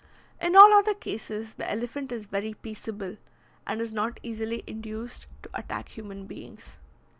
In all other cases the elephant is very peaceable, and is not easily induced to attack human beings.